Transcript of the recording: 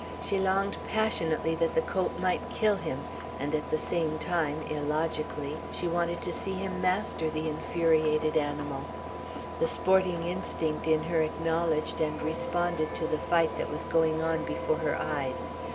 She longed passionately that the colt might kill him, and, at the same time, illogically, she wanted to see him master the infuriated animal. The sporting instinct in her acknowledged and responded to the fight that was going on before her eyes.